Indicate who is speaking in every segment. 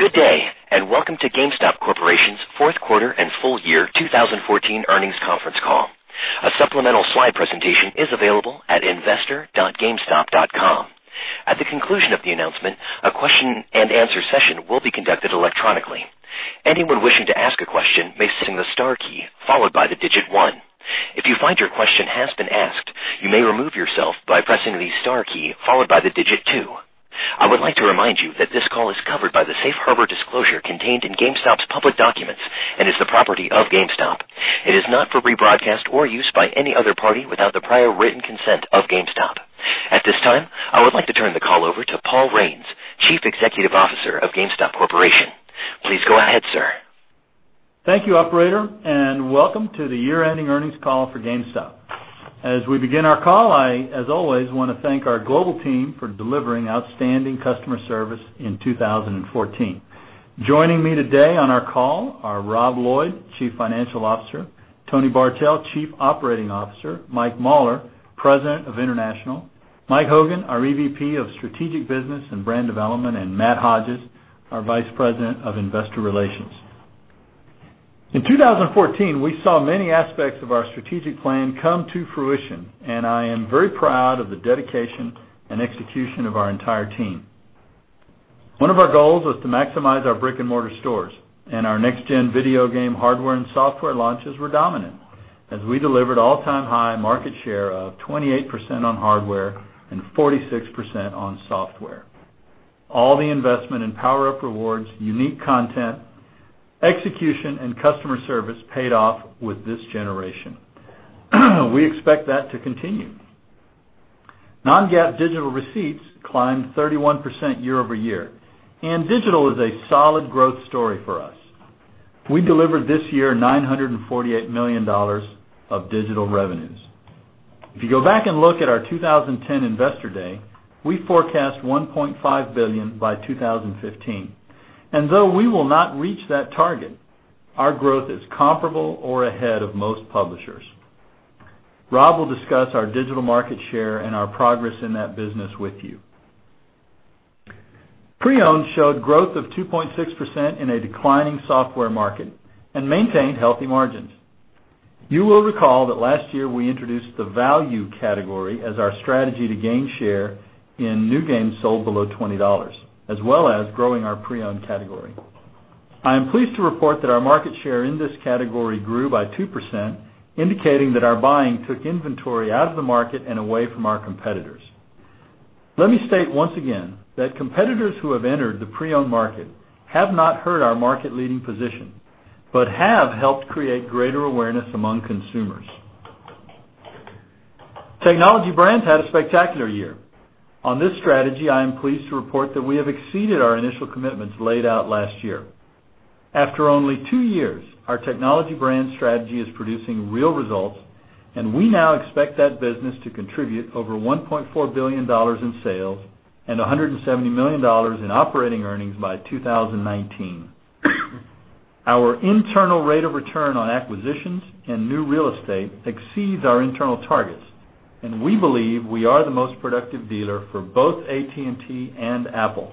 Speaker 1: Good day, and welcome to GameStop Corporation's fourth quarter and full year 2014 earnings conference call. A supplemental slide presentation is available at investor.gamestop.com. At the conclusion of the announcement, a question and answer session will be conducted electronically. Anyone wishing to ask a question may press the star key, followed by the digit 1. If you find your question has been asked, you may remove yourself by pressing the star key followed by the digit 2. I would like to remind you that this call is covered by the safe harbor disclosure contained in GameStop's public documents and is the property of GameStop. It is not for rebroadcast or use by any other party without the prior written consent of GameStop. At this time, I would like to turn the call over to J. Paul Raines, Chief Executive Officer of GameStop Corporation. Please go ahead, sir.
Speaker 2: Thank you, operator, and welcome to the year-ending earnings call for GameStop. As we begin our call, I, as always, want to thank our global team for delivering outstanding customer service in 2014. Joining me today on our call are Rob Lloyd, Chief Financial Officer, Tony Bartel, Chief Operating Officer, Michael Mauler, President of International, Mike Hogan, our EVP of Strategic Business and Brand Development, and Matt Hodges, our Vice President of Investor Relations. In 2014, we saw many aspects of our strategic plan come to fruition, and I am very proud of the dedication and execution of our entire team. One of our goals was to maximize our brick-and-mortar stores, and our next-gen video game hardware and software launches were dominant as we delivered all-time high market share of 28% on hardware and 46% on software. All the investment in PowerUp Rewards, unique content, execution, and customer service paid off with this generation. We expect that to continue. Non-GAAP digital receipts climbed 31% year-over-year, digital is a solid growth story for us. We delivered this year $948 million of digital revenues. If you go back and look at our 2010 Investor Day, we forecast $1.5 billion by 2015. Though we will not reach that target, our growth is comparable or ahead of most publishers. Rob Lloyd will discuss our digital market share and our progress in that business with you. Pre-owned showed growth of 2.6% in a declining software market and maintained healthy margins. You will recall that last year we introduced the value category as our strategy to gain share in new games sold below $20, as well as growing our pre-owned category. I am pleased to report that our market share in this category grew by 2%, indicating that our buying took inventory out of the market and away from our competitors. Let me state once again that competitors who have entered the pre-owned market have not hurt our market-leading position but have helped create greater awareness among consumers. Technology Brands had a spectacular year. On this strategy, I am pleased to report that we have exceeded our initial commitments laid out last year. After only two years, our Technology Brands strategy is producing real results, and we now expect that business to contribute over $1.4 billion in sales and $170 million in operating earnings by 2019. Our internal rate of return on acquisitions and new real estate exceeds our internal targets, and we believe we are the most productive dealer for both AT&T and Apple.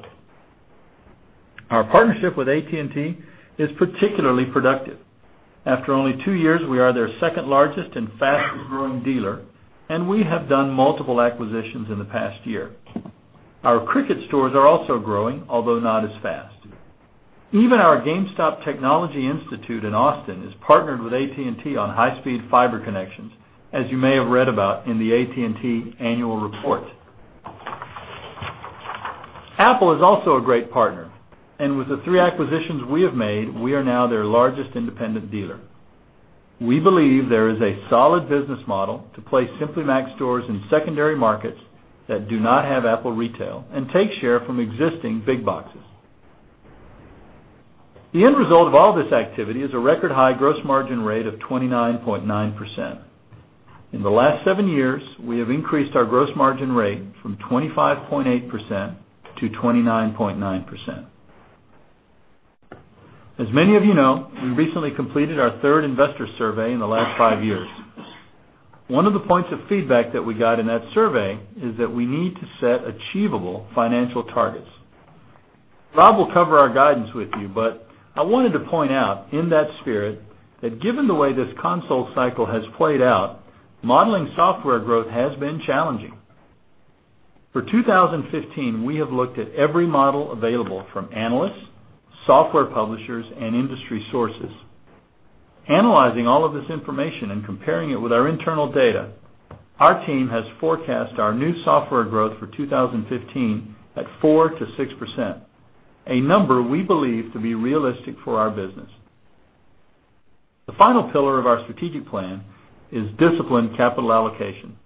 Speaker 2: Our partnership with AT&T is particularly productive. After only two years, we are their second-largest and fastest-growing dealer. We have done multiple acquisitions in the past year. Our Cricket stores are also growing, although not as fast. Even our GameStop Technology Institute in Austin is partnered with AT&T on high-speed fiber connections, as you may have read about in the AT&T annual report. Apple is also a great partner. With the three acquisitions we have made, we are now their largest independent dealer. We believe there is a solid business model to place Simply Mac stores in secondary markets that do not have Apple retail and take share from existing big boxes. The end result of all this activity is a record-high gross margin rate of 29.9%. In the last seven years, we have increased our gross margin rate from 25.8% to 29.9%. As many of you know, we recently completed our third investor survey in the last five years. One of the points of feedback that we got in that survey is that we need to set achievable financial targets. Rob will cover our guidance with you. I wanted to point out, in that spirit, that given the way this console cycle has played out, modeling software growth has been challenging. For 2015, we have looked at every model available from analysts, software publishers, and industry sources. Analyzing all of this information and comparing it with our internal data, our team has forecast our new software growth for 2015 at 4% to 6%, a number we believe to be realistic for our business. The final pillar of our strategic plan is disciplined capital allocation.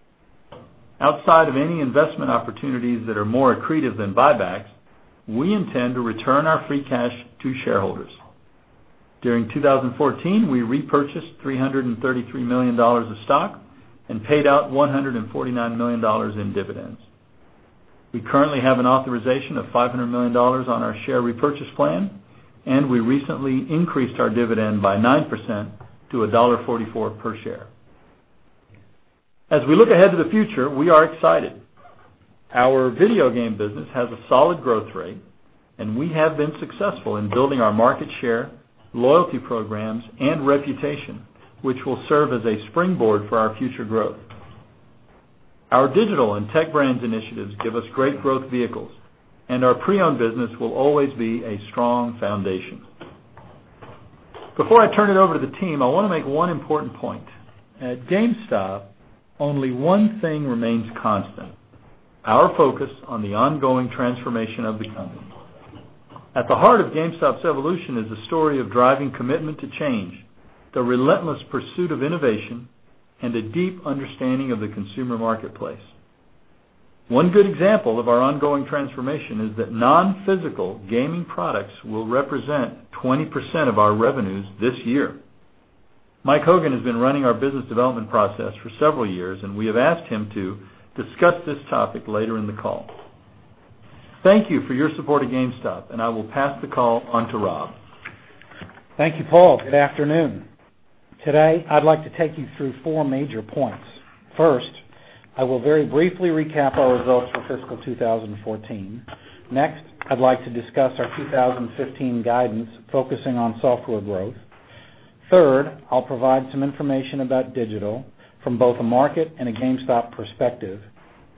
Speaker 2: Outside of any investment opportunities that are more accretive than buybacks, we intend to return our free cash to shareholders. During 2014, we repurchased $333 million of stock and paid out $149 million in dividends. We currently have an authorization of $500 million on our share repurchase plan. We recently increased our dividend by 9% to $1.44 per share. As we look ahead to the future, we are excited. Our video game business has a solid growth rate. We have been successful in building our market share, loyalty programs, and reputation, which will serve as a springboard for our future growth. Our digital and Tech Brands initiatives give us great growth vehicles. Our pre-owned business will always be a strong foundation. Before I turn it over to the team, I want to make one important point. At GameStop, only one thing remains constant. Our focus on the ongoing transformation of the company. At the heart of GameStop's evolution is a story of driving commitment to change, the relentless pursuit of innovation, and a deep understanding of the consumer marketplace. One good example of our ongoing transformation is that non-physical gaming products will represent 20% of our revenues this year. Mike Hogan has been running our business development process for several years. We have asked him to discuss this topic later in the call. Thank you for your support of GameStop. I will pass the call on to Rob.
Speaker 3: Thank you, Paul. Good afternoon. Today, I'd like to take you through four major points. First, I will very briefly recap our results for fiscal 2014. Next, I'd like to discuss our 2015 guidance focusing on software growth. Third, I'll provide some information about digital from both a market and a GameStop perspective.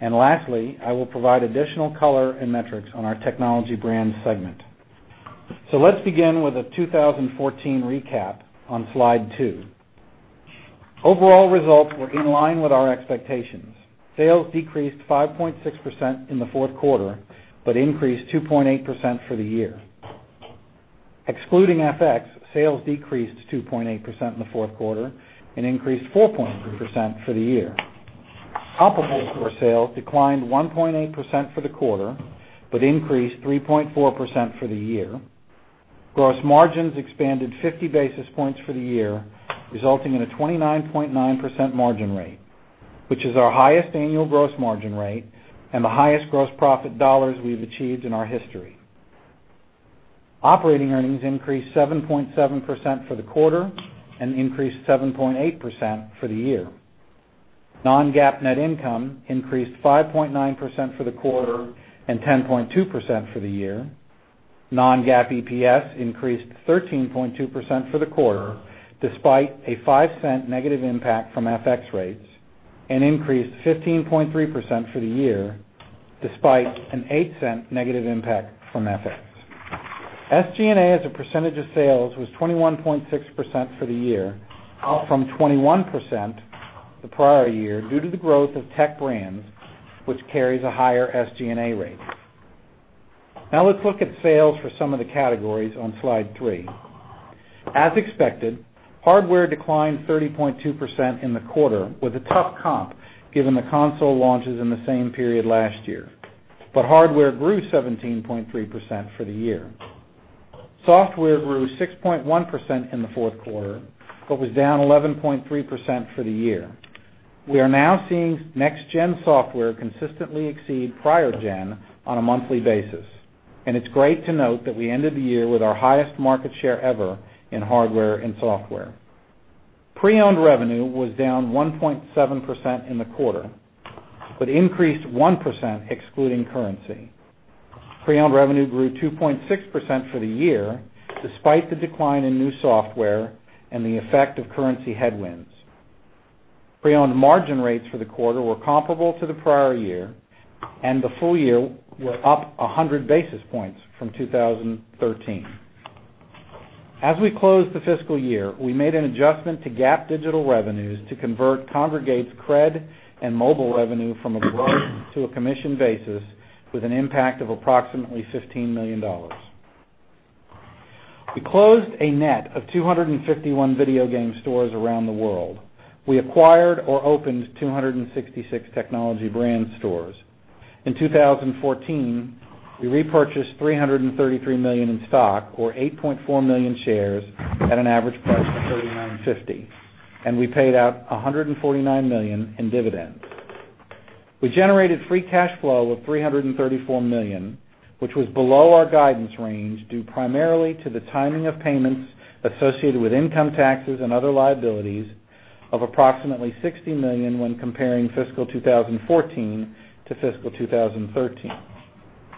Speaker 3: Lastly, I will provide additional color and metrics on our Technology Brands segment. Let's begin with a 2014 recap on slide two. Overall results were in line with our expectations. Sales decreased 5.6% in the fourth quarter, but increased 2.8% for the year. Excluding FX, sales decreased 2.8% in the fourth quarter and increased 4.3% for the year. Comparable store sales declined 1.8% for the quarter, but increased 3.4% for the year. Gross margins expanded 50 basis points for the year, resulting in a 29.9% margin rate, which is our highest annual gross margin rate and the highest gross profit dollars we've achieved in our history. Operating earnings increased 7.7% for the quarter and increased 7.8% for the year. Non-GAAP net income increased 5.9% for the quarter and 10.2% for the year. Non-GAAP EPS increased 13.2% for the quarter, despite a $0.05 negative impact from FX rates, and increased 15.3% for the year, despite an $0.08 negative impact from FX. SG&A as a percentage of sales was 21.6% for the year, up from 21% the prior year, due to the growth of Tech Brands, which carries a higher SG&A rate. Now let's look at sales for some of the categories on slide three. As expected, hardware declined 30.2% in the quarter with a tough comp, given the console launches in the same period last year. Hardware grew 17.3% for the year. Software grew 6.1% in the fourth quarter but was down 11.3% for the year. We are now seeing next-gen software consistently exceed prior gen on a monthly basis, and it's great to note that we ended the year with our highest market share ever in hardware and software. Pre-owned revenue was down 1.7% in the quarter but increased 1% excluding currency. Pre-owned revenue grew 2.6% for the year, despite the decline in new software and the effect of currency headwinds. Pre-owned margin rates for the quarter were comparable to the prior year, and the full year were up 100 basis points from 2013. As we closed the fiscal year, we made an adjustment to GAAP digital revenues to convert Kongregate's Kreds and mobile revenue from a gross to a commission basis with an impact of approximately $15 million. We closed a net of 251 video game stores around the world. We acquired or opened 266 Technology Brands stores. In 2014, we repurchased $333 million in stock, or 8.4 million shares, at an average price of $39.50, and we paid out $149 million in dividends. We generated free cash flow of $334 million, which was below our guidance range, due primarily to the timing of payments associated with income taxes and other liabilities of approximately $60 million when comparing fiscal 2014 to fiscal 2013.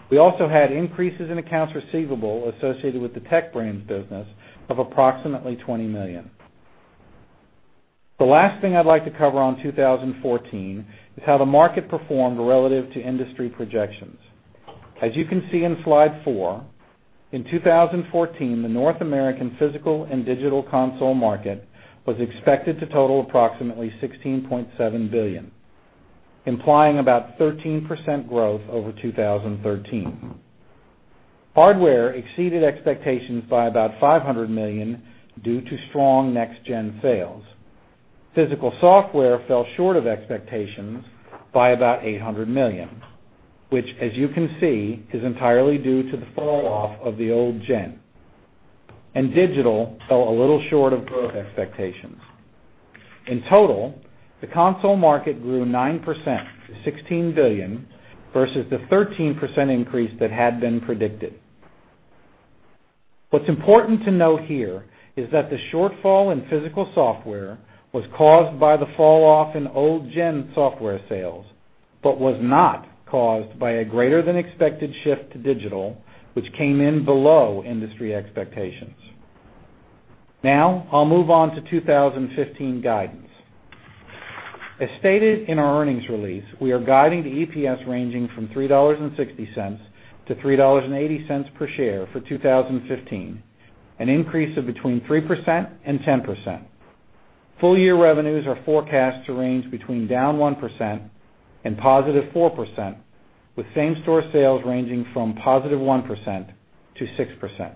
Speaker 3: We also had increases in accounts receivable associated with the Tech Brands business of approximately $20 million. The last thing I'd like to cover on 2014 is how the market performed relative to industry projections. As you can see on slide four, in 2014, the North American physical and digital console market was expected to total approximately $16.7 billion, implying about 13% growth over 2013. Hardware exceeded expectations by about $500 million due to strong next-gen sales. Physical software fell short of expectations by about $800 million, which, as you can see, is entirely due to the fall off of the old-gen. Digital fell a little short of growth expectations. In total, the console market grew 9% to $16 billion versus the 13% increase that had been predicted. What's important to note here is that the shortfall in physical software was caused by the falloff in old-gen software sales, but was not caused by a greater than expected shift to digital, which came in below industry expectations. I'll move on to 2015 guidance. As stated in our earnings release, we are guiding the EPS ranging from $3.60-$3.80 per share for 2015, an increase of between 3% and 10%. Full-year revenues are forecast to range between -1% and +4%, with same-store sales ranging from +1% to 6%.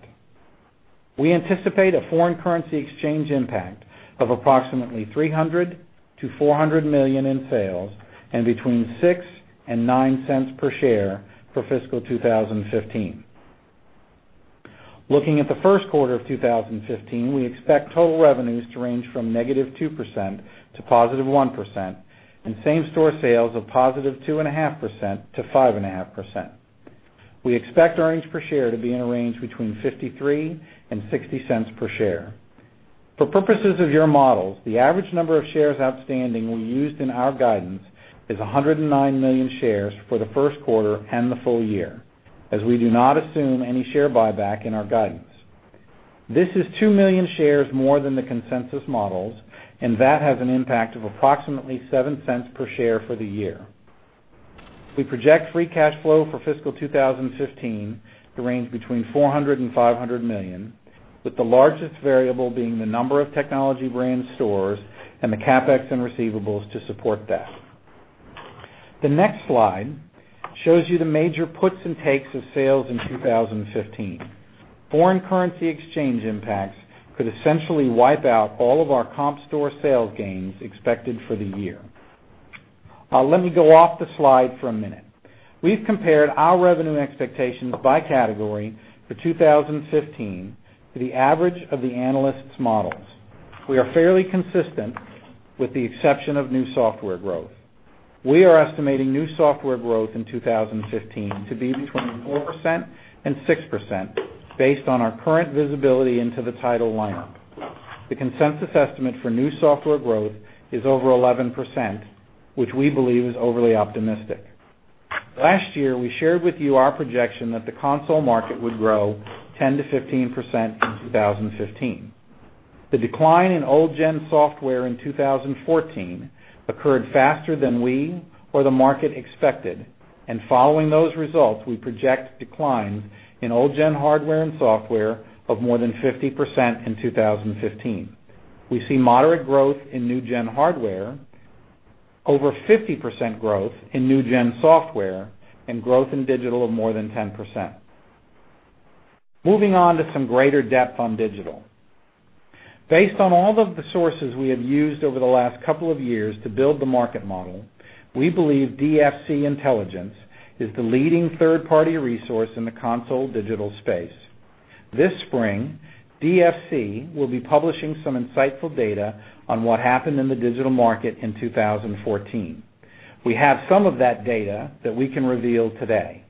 Speaker 3: We anticipate a foreign currency exchange impact of approximately $300 million-$400 million in sales and between $0.06 and $0.09 per share for FY 2015. Looking at the first quarter of 2015, we expect total revenues to range from -2% to +1%, and same-store sales of +2.5% to 5.5%. We expect earnings per share to be in a range between $0.53 and $0.60 per share. For purposes of your models, the average number of shares outstanding we used in our guidance is 109 million shares for the first quarter and the full year, as we do not assume any share buyback in our guidance. This is two million shares more than the consensus models, and that has an impact of approximately $0.07 per share for the year. We project free cash flow for FY 2015 to range between $400 million-$500 million, with the largest variable being the number of Technology Brands stores and the CapEx and receivables to support that. The next slide shows you the major puts and takes of sales in 2015. Foreign currency exchange impacts could essentially wipe out all of our comp store sales gains expected for the year. Let me go off the slide for a minute. We've compared our revenue expectations by category for 2015 to the average of the analysts' models. We are fairly consistent, with the exception of new software growth. We are estimating new software growth in 2015 to be between 4% and 6%, based on our current visibility into the title lineup. The consensus estimate for new software growth is over 11%, which we believe is overly optimistic. Last year, we shared with you our projection that the console market would grow 10%-15% in 2015. The decline in old-gen software in 2014 occurred faster than we or the market expected, and following those results, we project declines in old-gen hardware and software of more than 50% in 2015. We see moderate growth in new-gen hardware, over 50% growth in new-gen software, and growth in digital of more than 10%. Moving on to some greater depth on digital. Based on all of the sources we have used over the last couple of years to build the market model, we believe DFC Intelligence is the leading third-party resource in the console digital space. This spring, DFC will be publishing some insightful data on what happened in the digital market in 2014. We have some of that data that we can reveal today.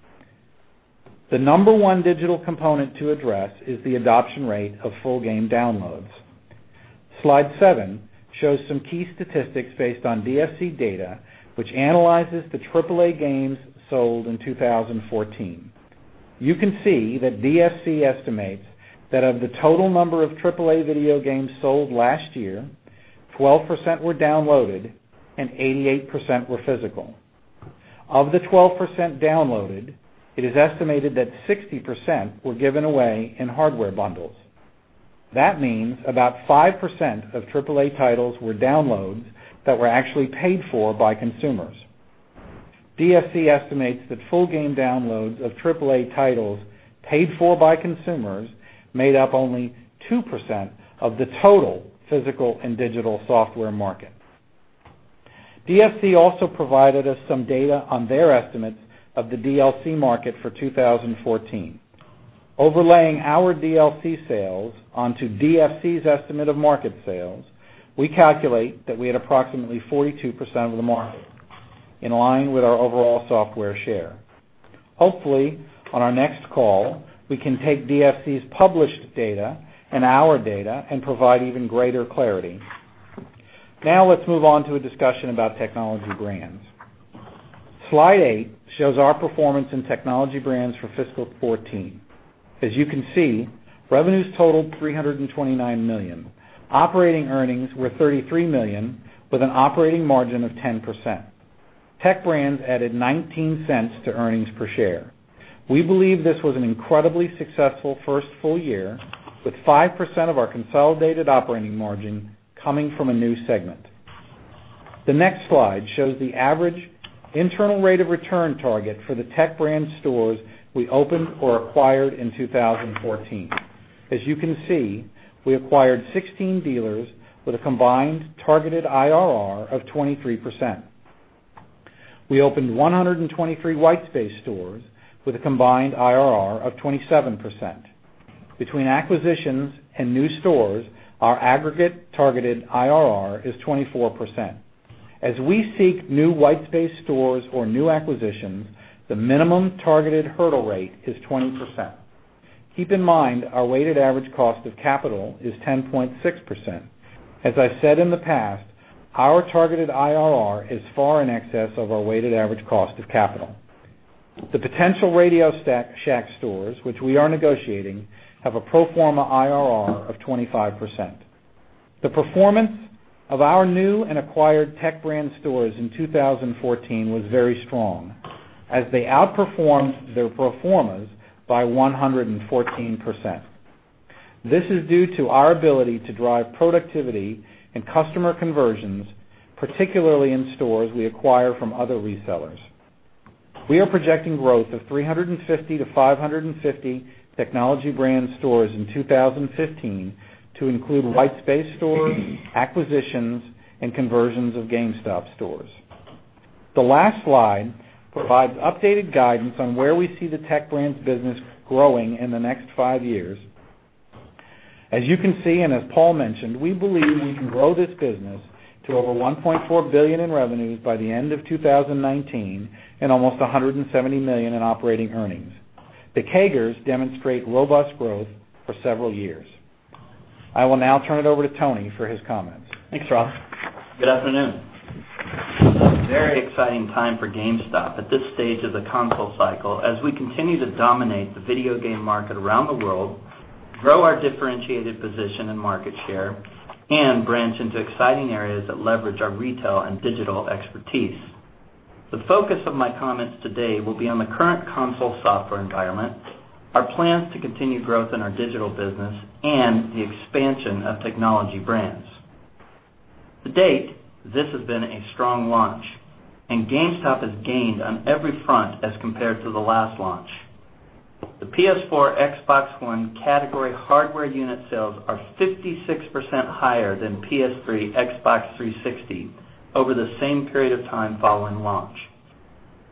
Speaker 3: The number one digital component to address is the adoption rate of full game downloads. Slide seven shows some key statistics based on DFC data, which analyzes the AAA games sold in 2014. You can see that DFC estimates that of the total number of AAA video games sold last year, 12% were downloaded and 88% were physical. Of the 12% downloaded, it is estimated that 60% were given away in hardware bundles. That means about 5% of AAA titles were downloads that were actually paid for by consumers. DFC estimates that full game downloads of AAA titles paid for by consumers made up only 2% of the total physical and digital software market. DFC also provided us some data on their estimates of the DLC market for 2014. Overlaying our DLC sales onto DFC's estimate of market sales, we calculate that we had approximately 42% of the market, in line with our overall software share. Hopefully, on our next call, we can take DFC's published data and our data and provide even greater clarity. Let's move on to a discussion about Technology Brands. Slide eight shows our performance in Technology Brands for fiscal 2014. As you can see, revenues totaled $329 million. Operating earnings were $33 million, with an operating margin of 10%. Tech Brands added $0.19 to earnings per share. We believe this was an incredibly successful first full year, with 5% of our consolidated operating margin coming from a new segment. The next slide shows the average internal rate of return target for the Tech Brands stores we opened or acquired in 2014. As you can see, we acquired 16 dealers with a combined targeted IRR of 23%. We opened 123 white space stores with a combined IRR of 27%. Between acquisitions and new stores, our aggregate targeted IRR is 24%. As we seek new white space stores or new acquisitions, the minimum targeted hurdle rate is 20%. Keep in mind, our weighted average cost of capital is 10.6%. As I said in the past, our targeted IRR is far in excess of our weighted average cost of capital. The potential RadioShack stores, which we are negotiating, have a pro forma IRR of 25%. The performance of our new and acquired Tech Brands stores in 2014 was very strong, as they outperformed their pro formas by 114%. This is due to our ability to drive productivity and customer conversions, particularly in stores we acquire from other resellers. We are projecting growth of 350-550 Technology Brands stores in 2015 to include white space stores, acquisitions, and conversions of GameStop stores. The last slide provides updated guidance on where we see the Tech Brands business growing in the next five years. As you can see, and as Paul mentioned, we believe we can grow this business to over $1.4 billion in revenues by the end of 2019, and almost $170 million in operating earnings. The CAGRs demonstrate robust growth for several years. I will now turn it over to Tony for his comments.
Speaker 4: Thanks, Rob. Good afternoon. Very exciting time for GameStop at this stage of the console cycle, as we continue to dominate the video game market around the world, grow our differentiated position and market share, and branch into exciting areas that leverage our retail and digital expertise. The focus of my comments today will be on the current console software environment, our plans to continue growth in our digital business, and the expansion of Technology Brands. To date, this has been a strong launch, GameStop has gained on every front as compared to the last launch. The PS4, Xbox One category hardware unit sales are 56% higher than PS3, Xbox 360 over the same period of time following launch.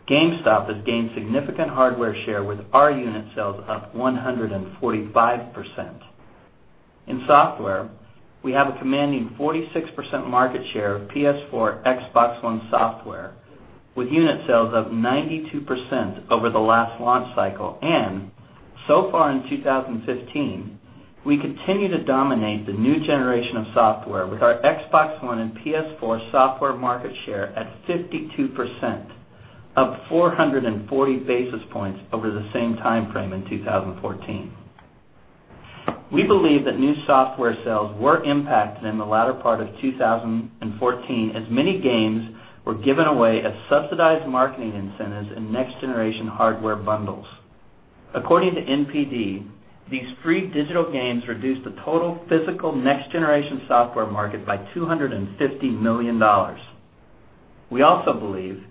Speaker 4: GameStop has gained significant hardware share with our unit sales up 145%. In software, we have a commanding 46% market share of PS4, Xbox One software, with unit sales up 92% over the last launch cycle. So far in 2015, we continue to dominate the new generation of software with our Xbox One and PS4 software market share at 52%, up 440 basis points over the same time frame in 2014. We believe that new software sales were impacted in the latter part of 2014 as many games were given away as subsidized marketing incentives in next-generation hardware bundles. According to NPD, these free digital games reduced the total physical next-generation software market by $250 million. We also believe,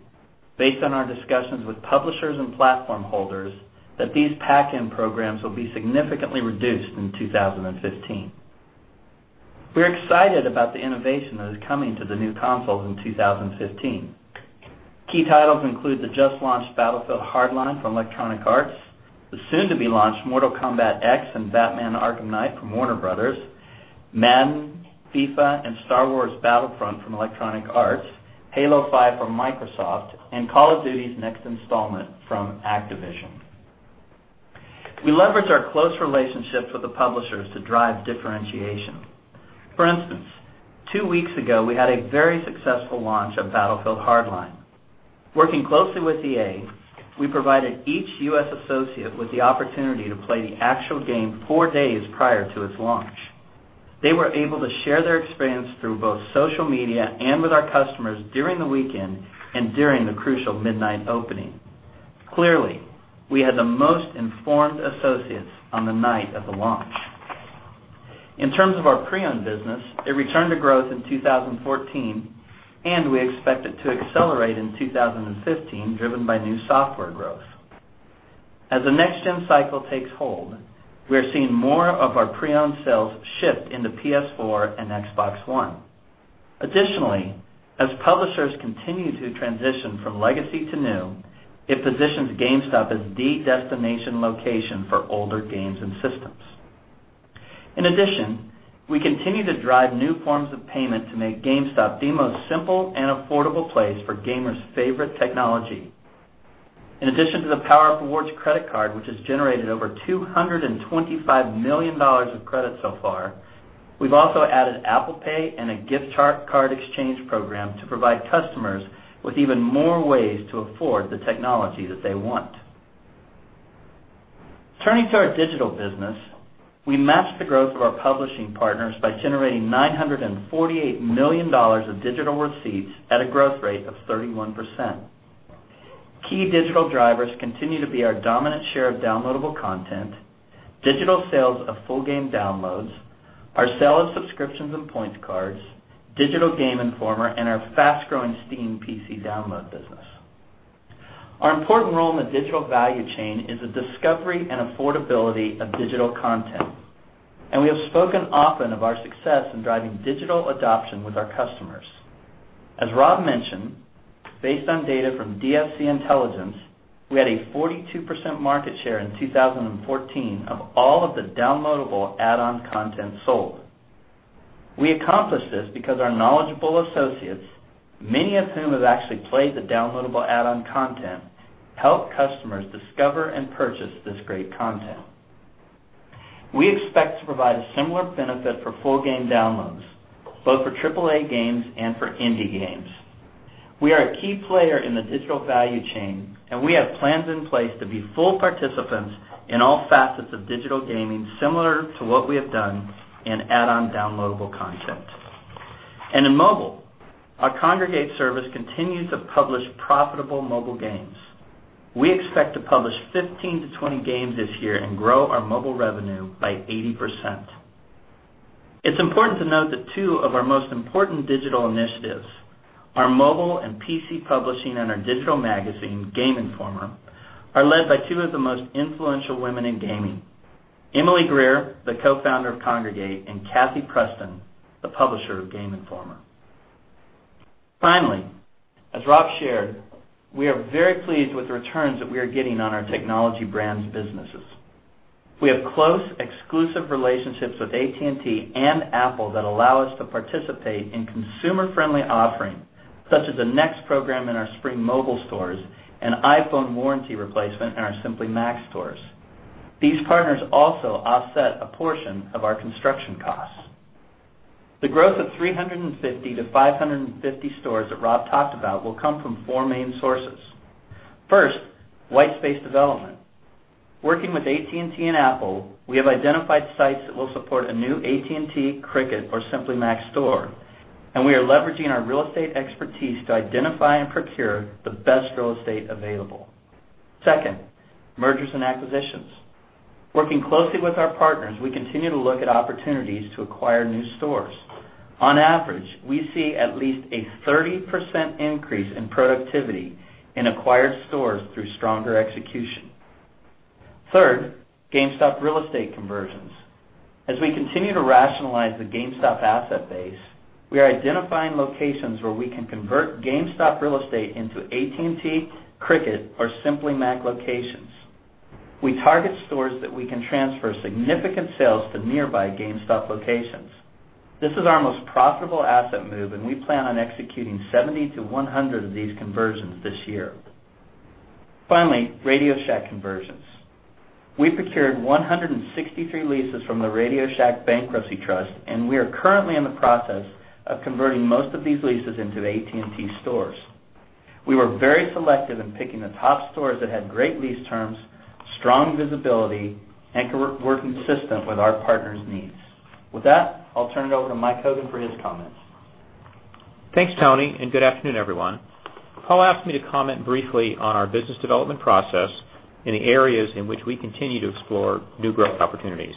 Speaker 4: based on our discussions with publishers and platform holders, that these pack-in programs will be significantly reduced in 2015. We're excited about the innovation that is coming to the new consoles in 2015. Key titles include the just-launched Battlefield Hardline from Electronic Arts, the soon-to-be-launched Mortal Kombat X and Batman: Arkham Knight from Warner Bros., Madden, FIFA, and Star Wars Battlefront from Electronic Arts, Halo 5 from Microsoft, and Call of Duty's next installment from Activision. We leverage our close relationships with the publishers to drive differentiation. For instance, two weeks ago, we had a very successful launch of Battlefield Hardline. Working closely with EA, we provided each U.S. associate with the opportunity to play the actual game four days prior to its launch. They were able to share their experience through both social media and with our customers during the weekend and during the crucial midnight opening. Clearly, we had the most informed associates on the night of the launch. In terms of our pre-owned business, it returned to growth in 2014, and we expect it to accelerate in 2015, driven by new software growth. As the next-gen cycle takes hold, we are seeing more of our pre-owned sales shift into PS4 and Xbox One. Additionally, as publishers continue to transition from legacy to new, it positions GameStop as the destination location for older games and systems. In addition, we continue to drive new forms of payment to make GameStop the most simple and affordable place for gamers' favorite technology. In addition to the PowerUp Rewards credit card, which has generated over $225 million of credit so far, we've also added Apple Pay and a gift card exchange program to provide customers with even more ways to afford the technology that they want. Turning to our digital business, we matched the growth of our publishing partners by generating $948 million of digital receipts at a growth rate of 31%. Key digital drivers continue to be our dominant share of downloadable content, digital sales of full game downloads, our sale of subscriptions and points cards, Digital Game Informer, and our fast-growing Steam PC download business. Our important role in the digital value chain is the discovery and affordability of digital content. We have spoken often of our success in driving digital adoption with our customers. As Rob mentioned, based on data from DFC Intelligence, we had a 42% market share in 2014 of all of the downloadable add-on content sold. We accomplished this because our knowledgeable associates, many of whom have actually played the downloadable add-on content, help customers discover and purchase this great content. We expect to provide a similar benefit for full game downloads, both for AAA games and for indie games. We are a key player in the digital value chain, and we have plans in place to be full participants in all facets of digital gaming, similar to what we have done in add-on downloadable content. In mobile, our Kongregate service continues to publish profitable mobile games. We expect to publish 15 to 20 games this year and grow our mobile revenue by 80%. It's important to note that two of our most important digital initiatives, our mobile and PC publishing and our digital magazine, Game Informer, are led by two of the most influential women in gaming, Emily Greer, the co-founder of Kongregate, and Cathy Preston, the publisher of Game Informer. Finally, as Rob shared, we are very pleased with the returns that we are getting on our Technology Brands businesses. We have close, exclusive relationships with AT&T and Apple that allow us to participate in consumer-friendly offerings, such as the Next Program in our Spring Mobile stores and iPhone warranty replacement in our Simply Mac stores. These partners also offset a portion of our construction costs. The growth of 350 to 550 stores that Rob talked about will come from four main sources. First, white space development. Working with AT&T and Apple, we have identified sites that will support a new AT&T, Cricket, or Simply Mac store, and we are leveraging our real estate expertise to identify and procure the best real estate available. Second, mergers and acquisitions. Working closely with our partners, we continue to look at opportunities to acquire new stores. On average, we see at least a 30% increase in productivity in acquired stores through stronger execution. Third, GameStop real estate conversions. As we continue to rationalize the GameStop asset base, we are identifying locations where we can convert GameStop real estate into AT&T, Cricket, or Simply Mac locations. We target stores that we can transfer significant sales to nearby GameStop locations. This is our most profitable asset move, and we plan on executing 70 to 100 of these conversions this year. Finally, RadioShack conversions. We procured 163 leases from the RadioShack bankruptcy trust, and we are currently in the process of converting most of these leases into AT&T stores. We were very selective in picking the top stores that had great lease terms, strong visibility, and were consistent with our partners' needs. With that, I'll turn it over to Mike Hogan for his comments.
Speaker 5: Thanks, Tony, and good afternoon, everyone. Paul asked me to comment briefly on our business development process and the areas in which we continue to explore new growth opportunities.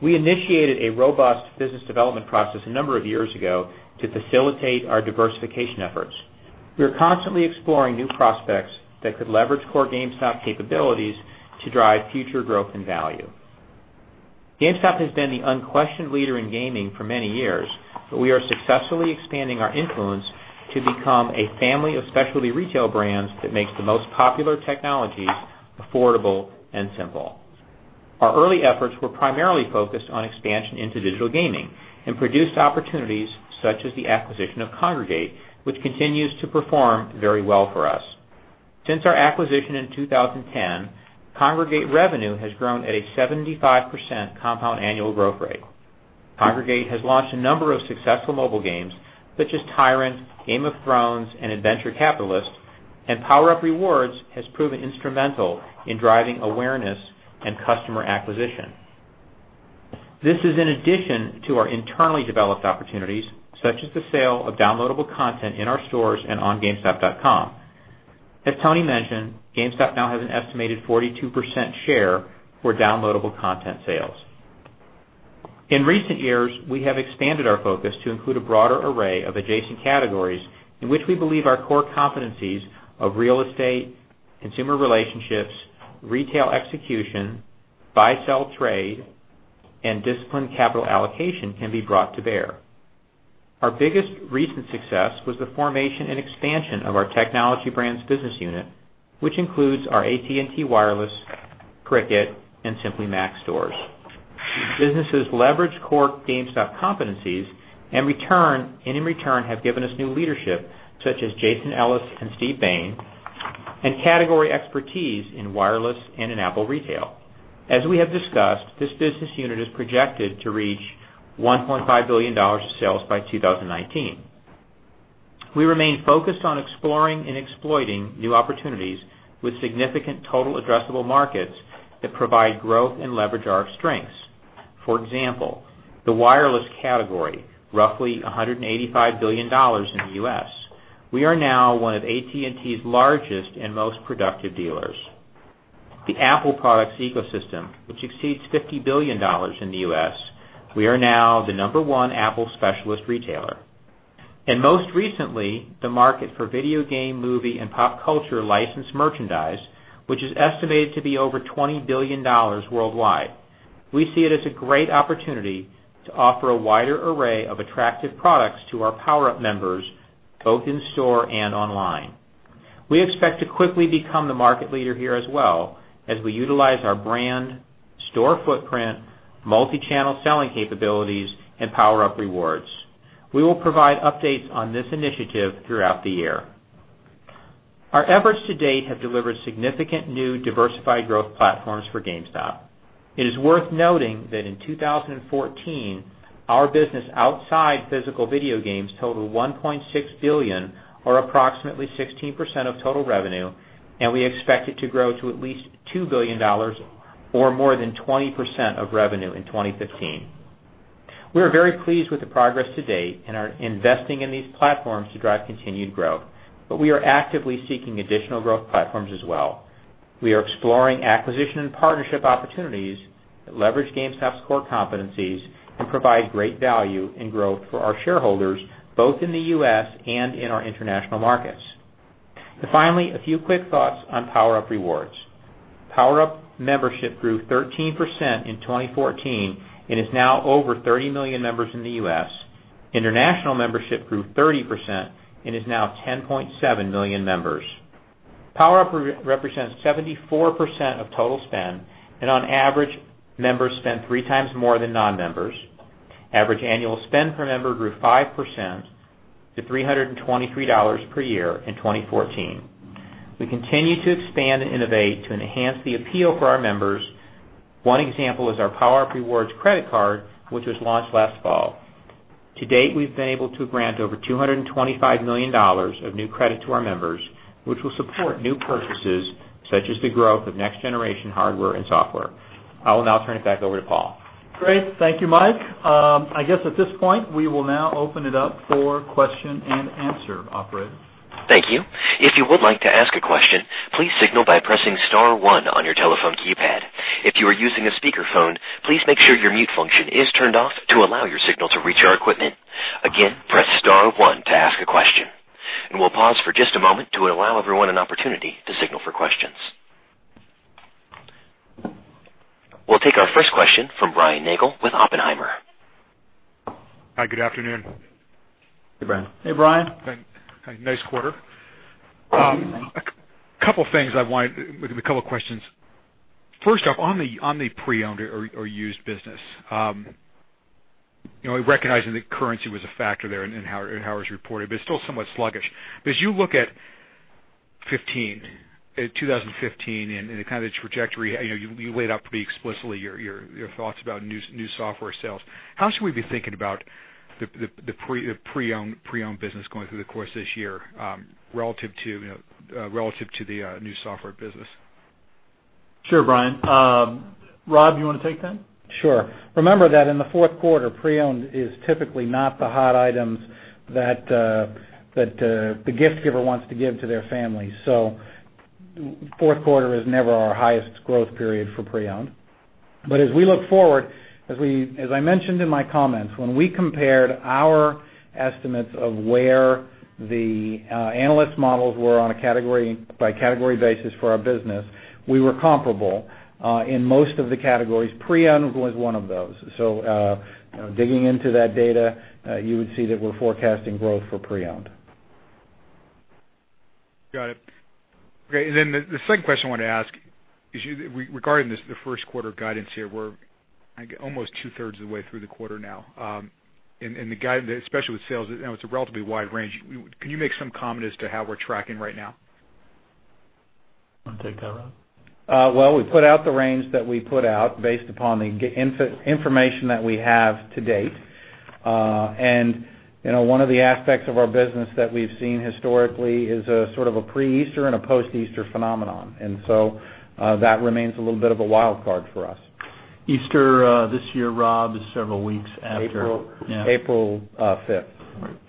Speaker 5: We initiated a robust business development process a number of years ago to facilitate our diversification efforts. We are constantly exploring new prospects that could leverage core GameStop capabilities to drive future growth and value. GameStop has been the unquestioned leader in gaming for many years, we are successfully expanding our influence to become a family of specialty retail brands that makes the most popular technologies affordable and simple. Our early efforts were primarily focused on expansion into digital gaming and produced opportunities such as the acquisition of Kongregate, which continues to perform very well for us. Since our acquisition in 2010, Kongregate revenue has grown at a 75% compound annual growth rate. Kongregate has launched a number of successful mobile games, such as Tyrant, Game of Thrones, and AdVenture Capitalist, PowerUp Rewards has proven instrumental in driving awareness and customer acquisition. This is in addition to our internally developed opportunities, such as the sale of downloadable content in our stores and on gamestop.com. As Tony mentioned, GameStop now has an estimated 42% share for downloadable content sales. In recent years, we have expanded our focus to include a broader array of adjacent categories in which we believe our core competencies of real estate, consumer relationships, retail execution, buy-sell trade, and disciplined capital allocation can be brought to bear. Our biggest recent success was the formation and expansion of our Technology Brands business unit, which includes our AT&T Wireless, Cricket, and Simply Mac stores. Businesses leverage core GameStop competencies, and in return, have given us new leadership, such as Jason Ellis and Steve Bain, and category expertise in wireless and in Apple retail. As we have discussed, this business unit is projected to reach $1.5 billion of sales by 2019. We remain focused on exploring and exploiting new opportunities with significant total addressable markets that provide growth and leverage our strengths. For example, the wireless category, roughly $185 billion in the U.S. We are now one of AT&T's largest and most productive dealers. The Apple products ecosystem, which exceeds $50 billion in the U.S., we are now the number 1 Apple specialist retailer. Most recently, the market for video game, movie, and pop culture licensed merchandise, which is estimated to be over $20 billion worldwide. We see it as a great opportunity to offer a wider array of attractive products to our PowerUp members, both in store and online. We expect to quickly become the market leader here as well as we utilize our brand, store footprint, multi-channel selling capabilities, and PowerUp Rewards. We will provide updates on this initiative throughout the year. Our efforts to date have delivered significant new diversified growth platforms for GameStop. It is worth noting that in 2014, our business outside physical video games totaled $1.6 billion or approximately 16% of total revenue, and we expect it to grow to at least $2 billion or more than 20% of revenue in 2015. We are very pleased with the progress to date and are investing in these platforms to drive continued growth. We are actively seeking additional growth platforms as well. We are exploring acquisition and partnership opportunities that leverage GameStop's core competencies and provide great value and growth for our shareholders, both in the U.S. and in our international markets. Finally, a few quick thoughts on PowerUp Rewards. PowerUp membership grew 13% in 2014 and is now over 30 million members in the U.S. International membership grew 30% and is now 10.7 million members. PowerUp represents 74% of total spend, and on average, members spend three times more than non-members. Average annual spend per member grew 5% to $323 per year in 2014. We continue to expand and innovate to enhance the appeal for our members. One example is our PowerUp Rewards credit card, which was launched last fall. To date, we've been able to grant over $225 million of new credit to our members, which will support new purchases such as the growth of next-generation hardware and software. I will now turn it back over to Paul.
Speaker 2: Great. Thank you, Mike. I guess at this point, we will now open it up for question and answer. Operator?
Speaker 1: Thank you. If you would like to ask a question, please signal by pressing *1 on your telephone keypad. If you are using a speakerphone, please make sure your mute function is turned off to allow your signal to reach our equipment. Again, press *1 to ask a question. We'll pause for just a moment to allow everyone an opportunity to signal for questions. We'll take our first question from Brian Nagel with Oppenheimer.
Speaker 6: Hi, good afternoon.
Speaker 2: Hey, Brian.
Speaker 5: Hey, Brian.
Speaker 6: Nice quarter. A couple of questions. First off, on the pre-owned or used business. I recognize that currency was a factor there in how it was reported, but it is still somewhat sluggish. As you look at 2015 and the kind of trajectory, you laid out pretty explicitly your thoughts about new software sales, how should we be thinking about the pre-owned business going through the course of this year, relative to the new software business?
Speaker 2: Sure, Brian. Rob, you want to take that?
Speaker 3: Sure. Remember that in the fourth quarter, pre-owned is typically not the hot items that the gift giver wants to give to their family. Fourth quarter is never our highest growth period for pre-owned. As we look forward, as I mentioned in my comments, when we compared our estimates of where the analyst models were on a category by category basis for our business, we were comparable in most of the categories. Pre-owned was one of those. Digging into that data, you would see that we are forecasting growth for pre-owned.
Speaker 6: Got it. Okay, the second question I wanted to ask is regarding the first quarter guidance here. We are almost two-thirds of the way through the quarter now. The guide, especially with sales, it is a relatively wide range. Can you make some comment as to how we are tracking right now?
Speaker 2: Want to take that, Rob?
Speaker 3: Well, we put out the range that we put out based upon the information that we have to date. One of the aspects of our business that we've seen historically is a sort of a pre-Easter and a post-Easter phenomenon. That remains a little bit of a wild card for us.
Speaker 2: Easter this year, Rob, is several weeks after.
Speaker 3: April 5th.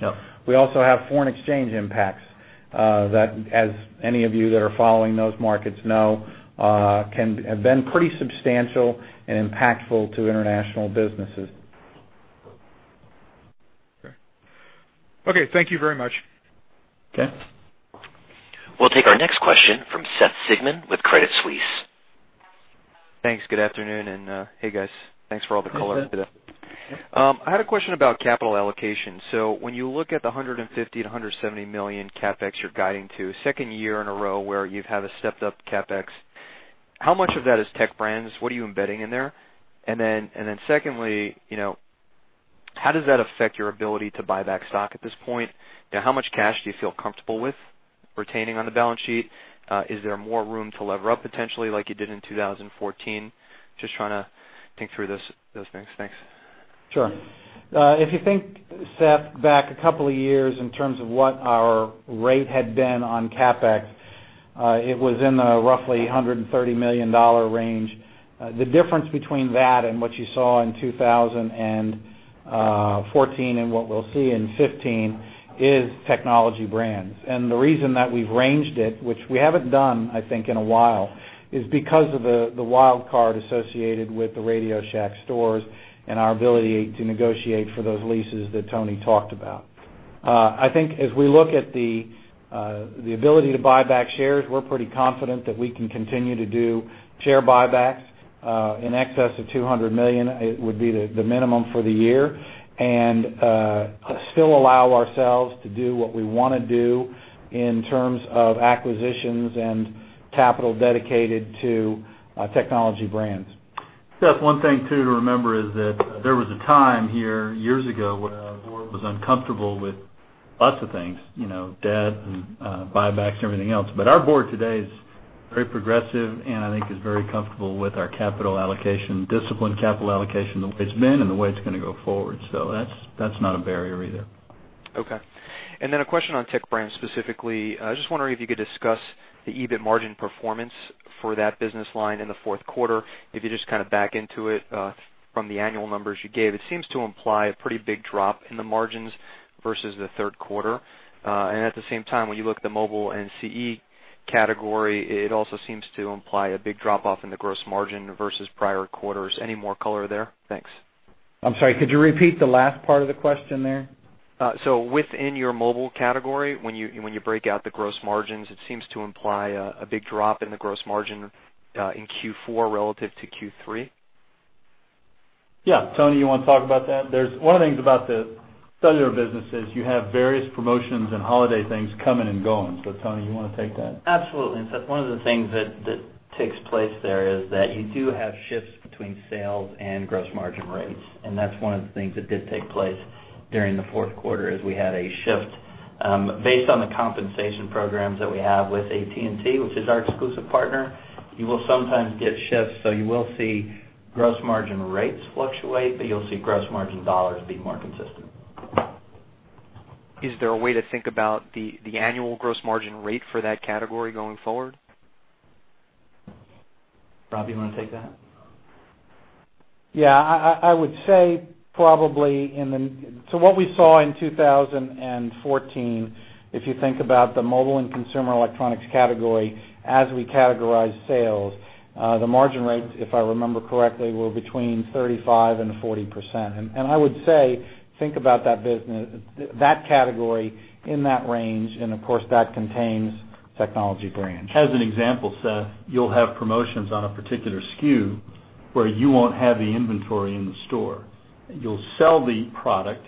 Speaker 2: Yeah.
Speaker 3: We also have foreign exchange impacts that, as any of you that are following those markets know, have been pretty substantial and impactful to international businesses.
Speaker 6: Okay. Thank you very much.
Speaker 2: Okay.
Speaker 1: We'll take our next question from Seth Sigman with Credit Suisse.
Speaker 7: Thanks. Good afternoon, hey, guys. Thanks for all the color today. I had a question about capital allocation. When you look at the $150 million-$170 million CapEx you're guiding to, second year in a row where you have a stepped-up CapEx, how much of that is Tech Brands? What are you embedding in there? Secondly, how does that affect your ability to buy back stock at this point? How much cash do you feel comfortable with retaining on the balance sheet? Is there more room to lever up potentially like you did in 2014? Just trying to think through those things. Thanks.
Speaker 3: Sure. If you think, Seth, back a couple of years in terms of what our rate had been on CapEx, it was in the roughly $130 million range. The difference between that and what you saw in 2014 and what we'll see in 2015 is Technology Brands. The reason that we've ranged it, which we haven't done, I think, in a while, is because of the wild card associated with the RadioShack stores and our ability to negotiate for those leases that Tony talked about. I think as we look at the ability to buy back shares, we're pretty confident that we can continue to do share buybacks in excess of $200 million. It would be the minimum for the year, still allow ourselves to do what we want to do in terms of acquisitions and capital dedicated to Technology Brands.
Speaker 2: Seth, one thing too to remember is that there was a time here years ago where our board was uncomfortable with lots of things, debt and buybacks, everything else. Our board today is very progressive and I think is very comfortable with our capital allocation, disciplined capital allocation, the way it's been and the way it's going to go forward. That's not a barrier either.
Speaker 7: Okay. A question on Tech Brands specifically. I was just wondering if you could discuss the EBIT margin performance for that business line in the fourth quarter. If you just back into it from the annual numbers you gave, it seems to imply a pretty big drop in the margins versus the third quarter. At the same time, when you look at the mobile and CE category, it also seems to imply a big drop-off in the gross margin versus prior quarters. Any more color there? Thanks.
Speaker 3: I'm sorry, could you repeat the last part of the question there?
Speaker 7: Within your mobile category, when you break out the gross margins, it seems to imply a big drop in the gross margin in Q4 relative to Q3.
Speaker 2: Tony, you want to talk about that? One of the things about the cellular business is you have various promotions and holiday things coming and going. Tony, you want to take that?
Speaker 4: Absolutely. In fact, one of the things that takes place there is that you do have shifts between sales and gross margin rates, and that's one of the things that did take place during the fourth quarter, as we had a shift. Based on the compensation programs that we have with AT&T, which is our exclusive partner, you will sometimes get shifts. You will see gross margin rates fluctuate, but you'll see gross margin dollars be more consistent.
Speaker 7: Is there a way to think about the annual gross margin rate for that category going forward?
Speaker 4: Rob, you want to take that?
Speaker 3: Yeah. What we saw in 2014, if you think about the mobile and consumer electronics category, as we categorize sales, the margin rates, if I remember correctly, were between 35% and 40%. I would say, think about that category in that range, and of course, that contains Technology Brands.
Speaker 2: As an example, Seth, you'll have promotions on a particular SKU where you won't have the inventory in the store. You'll sell the product,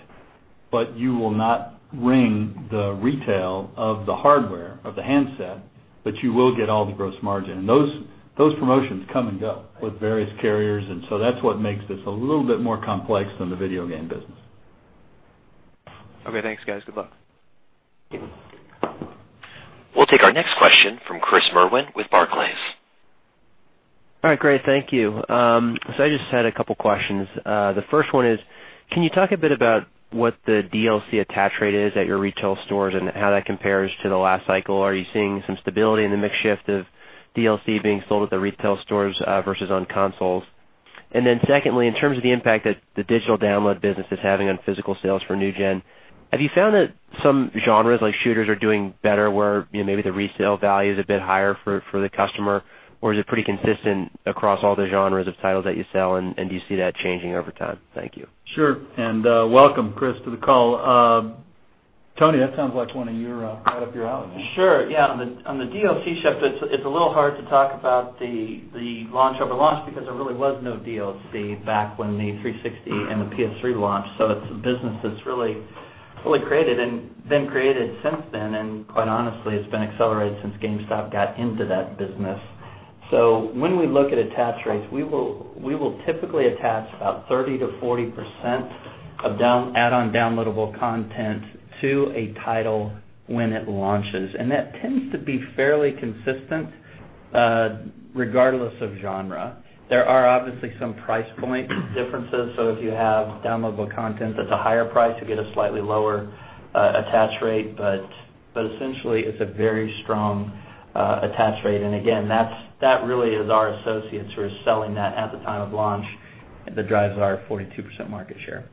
Speaker 2: but you will not ring the retail of the hardware, of the handset, but you will get all the gross margin. Those promotions come and go with various carriers, and so that's what makes this a little bit more complex than the video game business.
Speaker 7: Okay, thanks, guys. Good luck.
Speaker 1: We'll take our next question from Chris Merwin with Barclays.
Speaker 8: All right, great. Thank you. I just had a couple questions. The first one is, can you talk a bit about what the DLC attach rate is at your retail stores and how that compares to the last cycle? Are you seeing some stability in the mix shift of DLC being sold at the retail stores versus on consoles? Secondly, in terms of the impact that the digital download business is having on physical sales for new gen, have you found that some genres like shooters are doing better where maybe the resale value is a bit higher for the customer, or is it pretty consistent across all the genres of titles that you sell, and do you see that changing over time? Thank you.
Speaker 2: Sure, and welcome, Chris, to the call. Tony, that sounds like one right up your alley.
Speaker 4: Sure, yeah. On the DLC shift, it's a little hard to talk about the launch over launch because there really was no DLC back when the 360 and the PS3 launched. It's a business that's really created and been created since then. Quite honestly, it's been accelerated since GameStop got into that business. When we look at attach rates, we will typically attach about 30%-40% of add-on downloadable content to a title when it launches, and that tends to be fairly consistent regardless of genre. There are obviously some price point differences. If you have downloadable content that's a higher price, you get a slightly lower attach rate. Essentially, it's a very strong attach rate, and again, that really is our associates who are selling that at the time of launch that drives our 42% market share.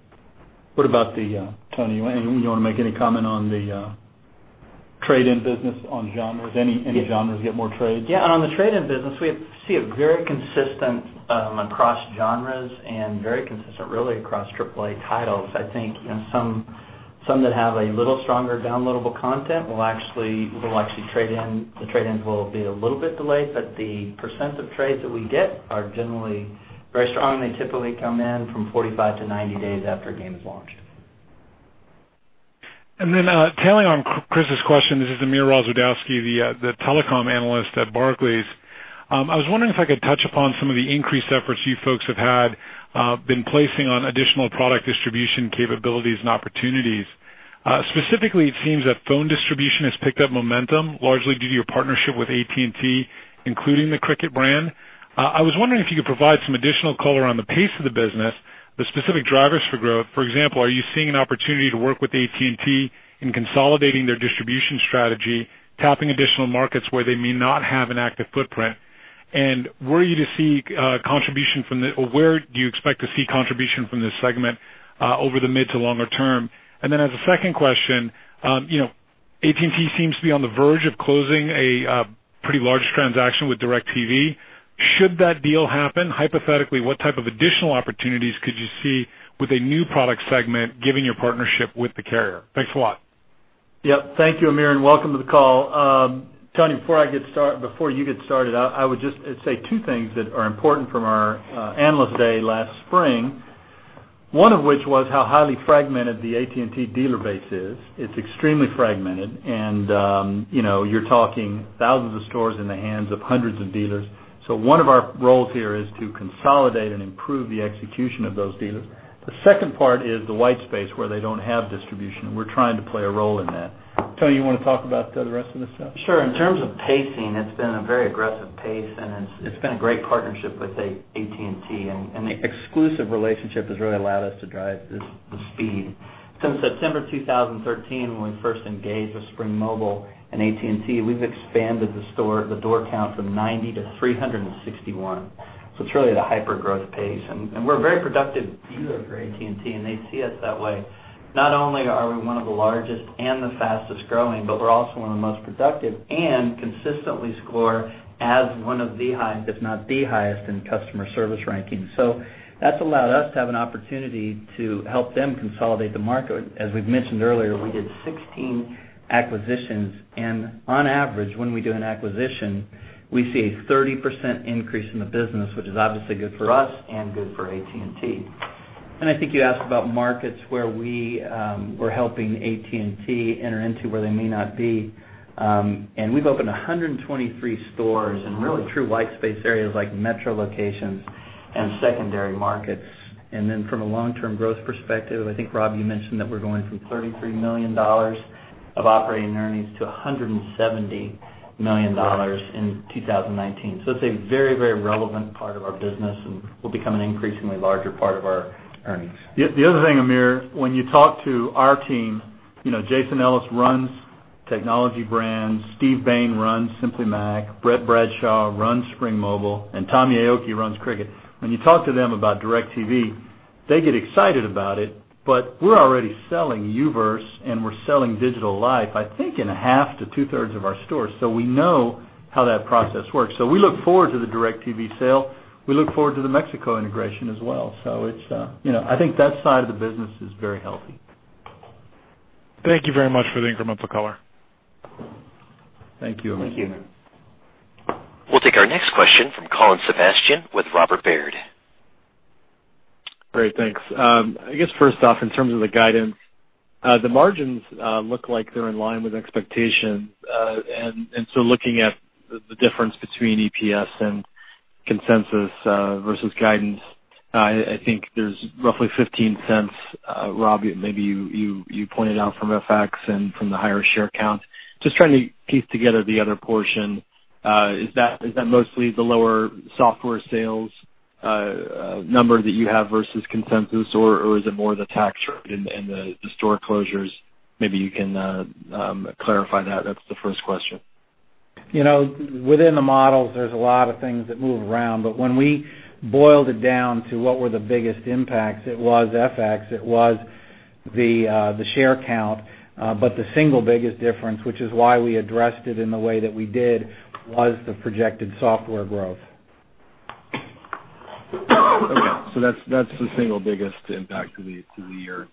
Speaker 2: Tony, you want to make any comment on the trade-in business on genres? Any genres get more trades?
Speaker 4: Yeah, on the trade-in business, we see it very consistent across genres and very consistent really across AAA titles. Some that have a little stronger downloadable content, the trade-ins will be a little bit delayed, but the % of trades that we get are generally very strong. They typically come in from 45 to 90 days after a game is launched.
Speaker 9: Tailing on Chris's question, this is Amir Rozwadowski, the telecom analyst at Barclays. I was wondering if I could touch upon some of the increased efforts you folks have had been placing on additional product distribution capabilities and opportunities. Specifically, it seems that phone distribution has picked up momentum, largely due to your partnership with AT&T, including the Cricket brand. I was wondering if you could provide some additional color on the pace of the business, the specific drivers for growth. For example, are you seeing an opportunity to work with AT&T in consolidating their distribution strategy, tapping additional markets where they may not have an active footprint? Where do you expect to see contribution from this segment over the mid to longer term? As a second question, AT&T seems to be on the verge of closing a pretty large transaction with DIRECTV. Should that deal happen, hypothetically, what type of additional opportunities could you see with a new product segment, given your partnership with the carrier? Thanks a lot.
Speaker 2: Yep. Thank you, Amir, and welcome to the call. Tony, before you get started, I would just say two things that are important from our Analyst Day last spring. One of which was how highly fragmented the AT&T dealer base is. It's extremely fragmented, and you're talking thousands of stores in the hands of hundreds of dealers. One of our roles here is to consolidate and improve the execution of those dealers. The second part is the white space, where they don't have distribution. We're trying to play a role in that. Tony, you want to talk about the rest of this stuff?
Speaker 4: Sure. In terms of pacing, it's been a very aggressive pace, and it's been a great partnership with AT&T, and the exclusive relationship has really allowed us to drive the speed. Since September 2013, when we first engaged with Spring Mobile and AT&T, we've expanded the door count from 90 to 361. It's really at a hyper-growth pace. We're a very productive dealer for AT&T, and they see us that way. Not only are we one of the largest and the fastest-growing, but we're also one of the most productive and consistently score as one of the highest, if not the highest in customer service rankings. That's allowed us to have an opportunity to help them consolidate the market. As we've mentioned earlier, we did 16 acquisitions, on average, when we do an acquisition, we see a 30% increase in the business, which is obviously good for us and good for AT&T. I think you asked about markets where we were helping AT&T enter into where they may not be. We've opened 123 stores in really true white space areas like metro locations and secondary markets. From a long-term growth perspective, I think, Rob, you mentioned that we're going from $33 million of operating earnings to $170 million in 2019. It's a very relevant part of our business and will become an increasingly larger part of our earnings.
Speaker 2: The other thing, Amir, when you talk to our team, Jason Ellis runs Technology Brands, Steve Bain runs Simply Mac, Brett Bradshaw runs Spring Mobile, and Tommy Aoki runs Cricket. When you talk to them about DIRECTV, they get excited about it, but we're already selling U-verse, and we're selling Digital Life, I think in a half to two-thirds of our stores. We know how that process works. We look forward to the DIRECTV sale. We look forward to the Mexico integration as well. I think that side of the business is very healthy.
Speaker 9: Thank you very much for the incremental color.
Speaker 2: Thank you.
Speaker 4: Thank you.
Speaker 1: We'll take our next question from Colin Sebastian with Robert W. Baird.
Speaker 10: Great. Thanks. I guess first off, in terms of the guidance, the margins look like they're in line with expectations. Looking at the difference between EPS and consensus versus guidance, I think there's roughly $0.15, Rob, maybe you pointed out from FX and from the higher share count. Just trying to piece together the other portion. Is that mostly the lower software sales number that you have versus consensus, or is it more the tax rate and the store closures? Maybe you can clarify that. That's the first question.
Speaker 3: Within the models, there's a lot of things that move around. When we boiled it down to what were the biggest impacts, it was FX, it was the share count. The single biggest difference, which is why we addressed it in the way that we did, was the projected software growth.
Speaker 10: Okay, that's the single biggest impact to the year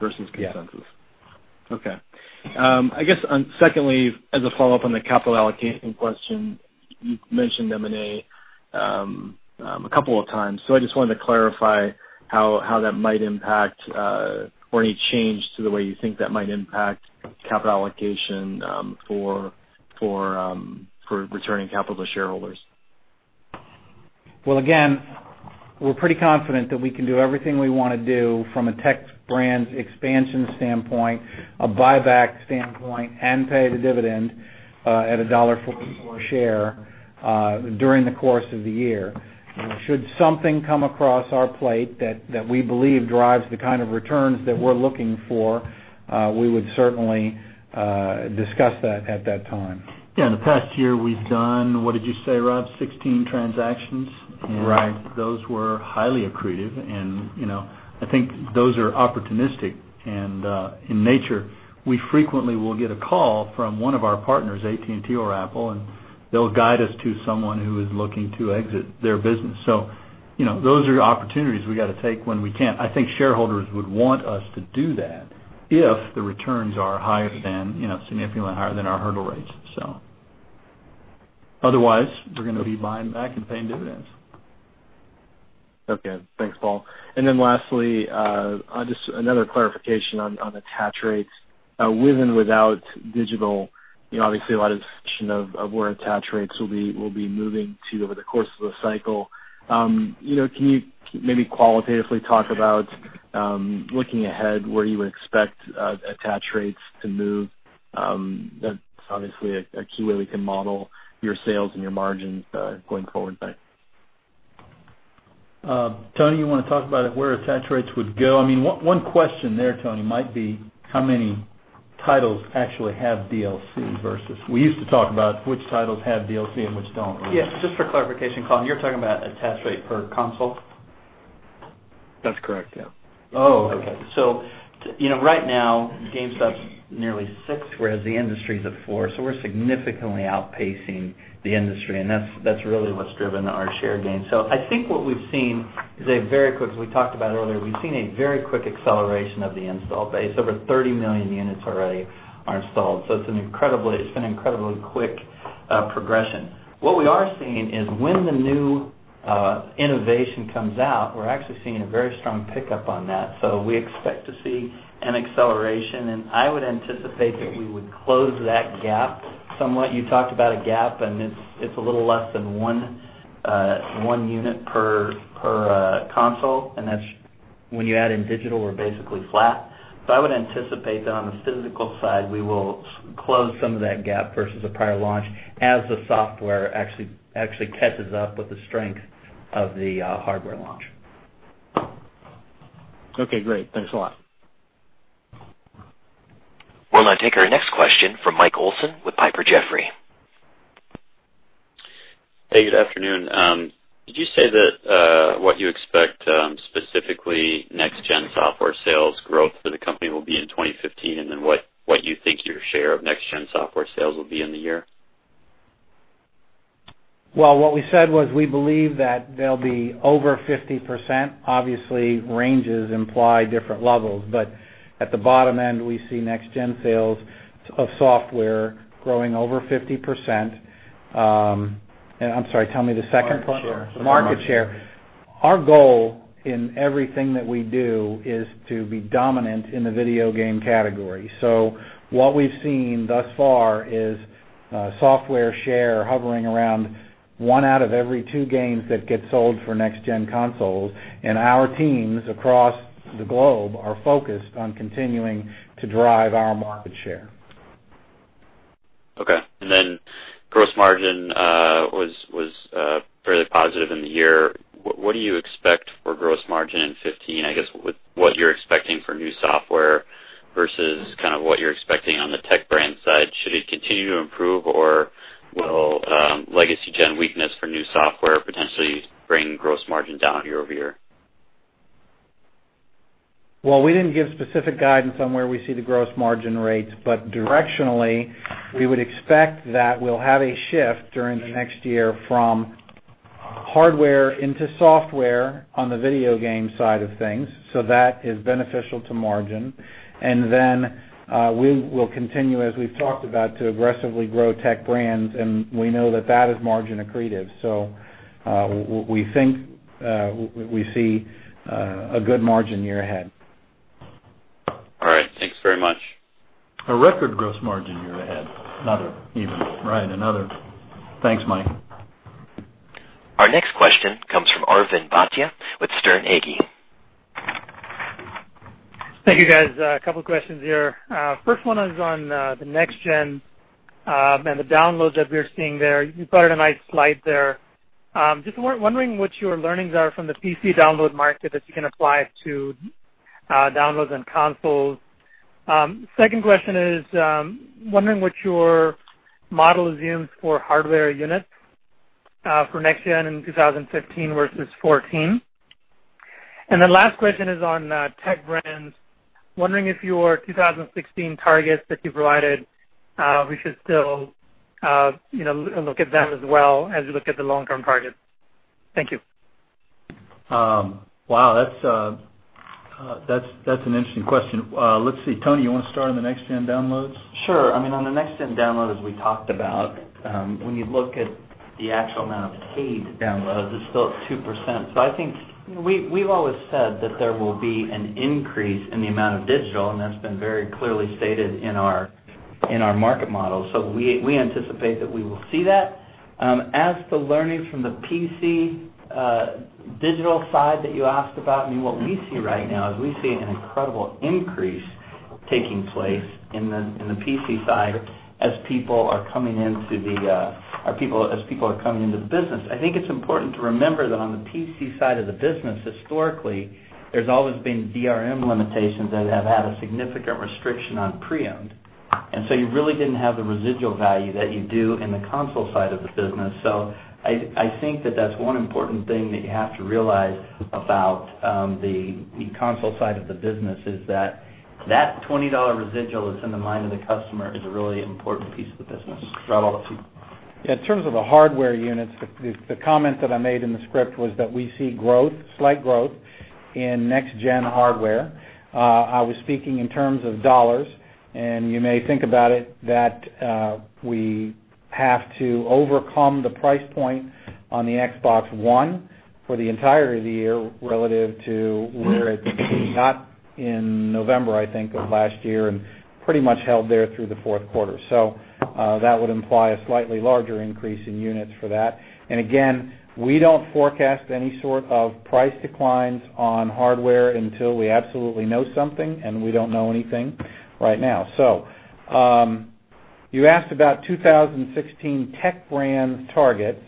Speaker 10: versus consensus.
Speaker 3: Yes.
Speaker 10: Okay. I guess secondly, as a follow-up on the capital allocation question, you've mentioned M&A a couple of times. I just wanted to clarify how that might impact, or any change to the way you think that might impact capital allocation for returning capital to shareholders.
Speaker 3: Well, again, we're pretty confident that we can do everything we want to do from a Tech Brands expansion standpoint, a buyback standpoint, and pay the dividend at a $1.44 share during the course of the year. Should something come across our plate that we believe drives the kind of returns that we're looking for, we would certainly discuss that at that time.
Speaker 4: Yeah, in the past year, we've done, what did you say, Rob? 16 transactions?
Speaker 3: Right.
Speaker 2: Those were highly accretive, and I think those are opportunistic. In nature, we frequently will get a call from one of our partners, AT&T or Apple, and they'll guide us to someone who is looking to exit their business. Those are opportunities we got to take when we can. I think shareholders would want us to do that if the returns are significantly higher than our hurdle rates. Otherwise, we're going to be buying back and paying dividends.
Speaker 10: Okay. Thanks, Paul. Lastly, just another clarification on attach rates. With and without digital, obviously a lot of where attach rates will be moving to over the course of the cycle. Can you maybe qualitatively talk about, looking ahead, where you would expect attach rates to move? That's obviously a key way we can model your sales and your margins going forward. Thanks.
Speaker 2: Tony, you want to talk about it, where attach rates would go? One question there, Tony, might be how many titles actually have DLC versus we used to talk about which titles have DLC and which don't.
Speaker 4: Yes. Just for clarification, Colin, you're talking about attach rate per console?
Speaker 10: That's correct. Yeah.
Speaker 4: Oh, okay. Right now, GameStop's nearly six, whereas the industry is at four. We're significantly outpacing the industry, and that's really what's driven our share gains. I think what we've seen is a very quick. As we talked about earlier, we've seen a very quick acceleration of the install base. Over 30 million units already are installed. It's been incredibly quick progression. What we are seeing is when the new innovation comes out, we're actually seeing a very strong pickup on that. We expect to see an acceleration, and I would anticipate that we would close that gap somewhat. You talked about a gap. It's a little less than one unit per console. When you add in digital, we're basically flat. I would anticipate that on the physical side, we will close some of that gap versus a prior launch as the software actually catches up with the strength of the hardware launch.
Speaker 10: Okay, great. Thanks a lot.
Speaker 1: We'll now take our next question from Michael Olson with Piper Jaffray.
Speaker 11: Hey, good afternoon. Did you say that what you expect specifically next-gen software sales growth for the company will be in 2015? What you think your share of next-gen software sales will be in the year?
Speaker 4: Well, what we said was we believe that they'll be over 50%. Obviously, ranges imply different levels, but at the bottom end, we see next-gen sales of software growing over 50%. I'm sorry, tell me the second part. Market share. Market share. Our goal in everything that we do is to be dominant in the video game category. What we've seen thus far is software share hovering around one out of every two games that get sold for next-gen consoles, and our teams across the globe are focused on continuing to drive our market share.
Speaker 11: Okay. Gross margin was fairly positive in the year. What do you expect for gross margin in 2015? I guess with what you're expecting for new software versus what you're expecting on the Tech Brands side. Should it continue to improve, or will legacy gen weakness for new software potentially bring gross margin down year-over-year?
Speaker 3: Well, we didn't give specific guidance on where we see the gross margin rates, but directionally, we would expect that we'll have a shift during the next year from hardware into software on the video game side of things. That is beneficial to margin. We will continue, as we've talked about, to aggressively grow Tech Brands, and we know that that is margin accretive. We think we see a good margin year ahead.
Speaker 11: All right. Thanks very much.
Speaker 4: A record gross margin year ahead. Not even.
Speaker 3: Right, another. Thanks, Mike.
Speaker 1: Our next question comes from Arvind Bhatia with Sterne Agee.
Speaker 12: Thank you, guys. A couple questions here. First one is on the next gen and the downloads that we're seeing there. You provided a nice slide there. Just wondering what your learnings are from the PC download market that you can apply to downloads and consoles. Second question is, wondering what your model assumes for hardware units for next gen in 2015 versus 2014. Last question is on Tech Brands. Wondering if your 2016 targets that you provided, we should still look at them as well as we look at the long-term targets. Thank you.
Speaker 2: Wow, that's an interesting question. Let's see, Tony, you want to start on the next-gen downloads?
Speaker 4: Sure. On the next-gen downloads, we talked about when you look at the actual amount of paid downloads, it's still at 2%. I think we've always said that there will be an increase in the amount of digital, and that's been very clearly stated in our market model. We anticipate that we will see that. As for learnings from the PC digital side that you asked about, what we see right now is we see an incredible increase taking place in the PC side as people are coming into the business. I think it's important to remember that on the PC side of the business, historically, there's always been DRM limitations that have had a significant restriction on pre-owned. You really didn't have the residual value that you do in the console side of the business. I think that that's one important thing that you have to realize about the console side of the business is that that $20 residual that's in the mind of the customer is a really important piece of the business.
Speaker 3: In terms of the hardware units, the comment that I made in the script was that we see growth, slight growth, in next-gen hardware. I was speaking in terms of dollars, and you may think about it that we have to overcome the price point on the Xbox One for the entirety of the year relative to where it got in November, I think, of last year and pretty much held there through the fourth quarter. That would imply a slightly larger increase in units for that. Again, we don't forecast any sort of price declines on hardware until we absolutely know something, and we don't know anything right now. You asked about 2016 Tech Brands targets,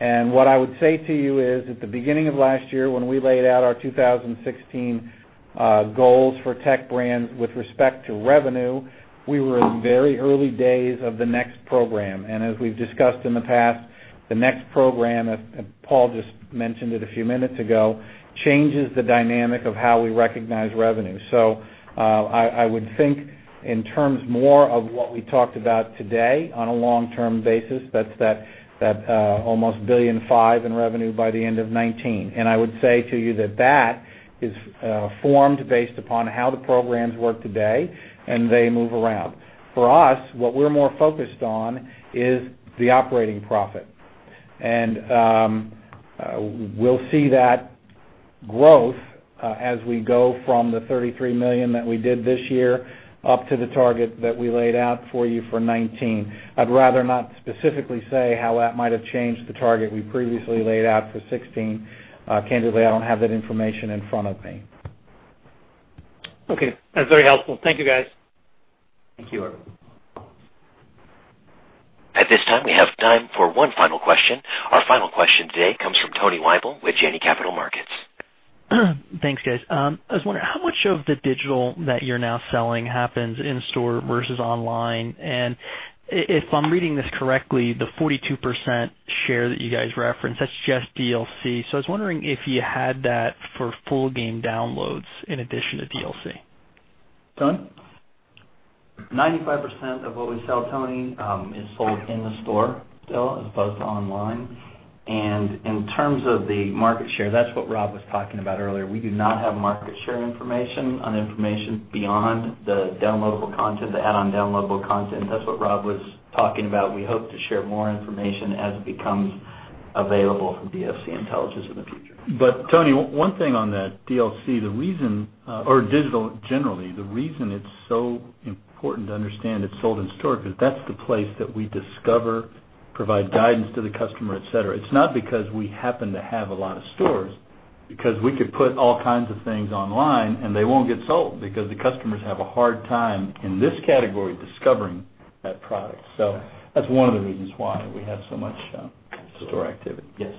Speaker 3: and what I would say to you is, at the beginning of last year, when we laid out our 2016 Goals for Tech Brands with respect to revenue, we were in very early days of the NEXT program, and as we've discussed in the past, the NEXT program, as Paul just mentioned it a few minutes ago, changes the dynamic of how we recognize revenue. I would think in terms more of what we talked about today on a long-term basis, that's that almost $1.5 billion in revenue by the end of 2019. I would say to you that that is formed based upon how the programs work today, and they move around. For us, what we're more focused on is the operating profit. We'll see that growth as we go from the $33 million that we did this year up to the target that we laid out for you for 2019. I'd rather not specifically say how that might have changed the target we previously laid out for 2016. Candidly, I don't have that information in front of me.
Speaker 12: Okay. That's very helpful. Thank you, guys.
Speaker 2: Thank you, Arvind.
Speaker 1: At this time, we have time for one final question. Our final question today comes from Tony Wible with Janney Montgomery Scott.
Speaker 13: Thanks, guys. I was wondering, how much of the digital that you're now selling happens in store versus online? If I'm reading this correctly, the 42% share that you guys referenced, that's just DLC. I was wondering if you had that for full game downloads in addition to DLC.
Speaker 4: Tony, 95% of what we sell, Tony, is sold in the store still as opposed to online. In terms of the market share, that's what Rob was talking about earlier. We do not have market share information on information beyond the downloadable content, the add-on downloadable content. That's what Rob was talking about. We hope to share more information as it becomes available from DFC Intelligence in the future. Tony, one thing on that DLC or digital generally, the reason it's so important to understand it's sold in store because that's the place that we discover, provide guidance to the customer, et cetera. It's not because we happen to have a lot of stores because we could put all kinds of things online and they won't get sold because the customers have a hard time in this category discovering that product. That's one of the reasons why we have so much store activity.
Speaker 13: Yes.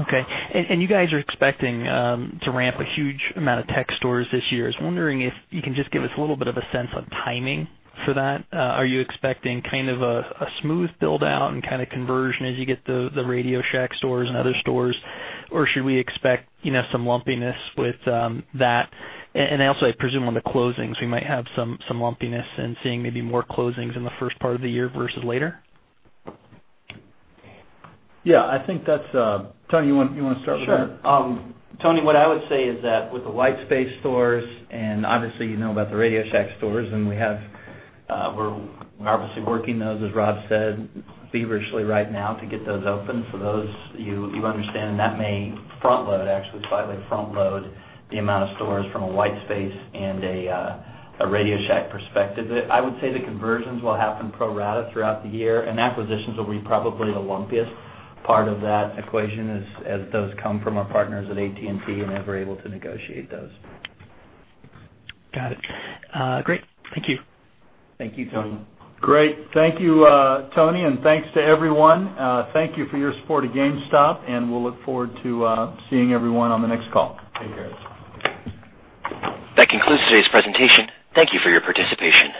Speaker 13: Okay. You guys are expecting to ramp a huge amount of tech stores this year. I was wondering if you can just give us a little bit of a sense on timing for that. Are you expecting kind of a smooth build-out and kind of conversion as you get the RadioShack stores and other stores? Or should we expect some lumpiness with that? I presume on the closings, we might have some lumpiness and seeing maybe more closings in the first part of the year versus later.
Speaker 3: Yeah, I think that's Tony, you want to start with that?
Speaker 4: Sure. Tony, what I would say is that with the white space stores, you know about the RadioShack stores, we're obviously working those, as Rob said, feverishly right now to get those open. Those, you understand that may front-load, actually slightly front-load the amount of stores from a white space and a RadioShack perspective. I would say the conversions will happen pro rata throughout the year, acquisitions will be probably the lumpiest part of that equation as those come from our partners at AT&T and as we're able to negotiate those.
Speaker 13: Got it. Great. Thank you.
Speaker 4: Thank you, Tony.
Speaker 2: Great. Thank you, Tony, and thanks to everyone. Thank you for your support of GameStop, we'll look forward to seeing everyone on the next call.
Speaker 4: Take care.
Speaker 1: That concludes today's presentation. Thank you for your participation.